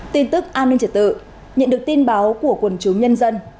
tin tức an ninh trật tự nhận được tin báo của quần chúng nhân dân